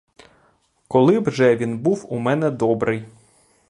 Коли б же він був у мене добрий!